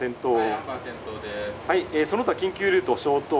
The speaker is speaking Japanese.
その他緊急ルート消灯。